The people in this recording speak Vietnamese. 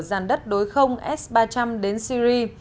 dàn đất đối không s ba trăm linh đến syri